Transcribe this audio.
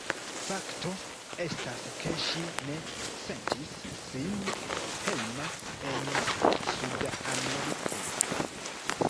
Fakto estas ke ŝi ne sentis sin hejma en Suda Ameriko.